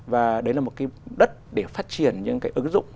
và đấy là một đất để phát triển những ứng dụng